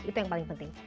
itu yang paling penting